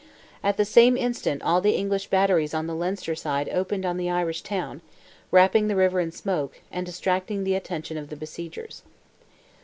At the same instant all the English batteries on the Leinster side opened on the Irish town, wrapping the river in smoke, and distracting the attention of the besiegers.